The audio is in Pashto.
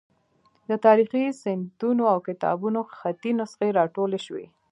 د تاریخي سندونو او کتابونو خطي نسخې راټولې شوې.